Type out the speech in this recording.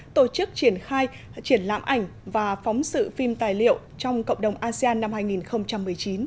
tổ chức triển khai triển lãm ảnh và phóng sự phim tài liệu trong cộng đồng asean năm hai nghìn một mươi chín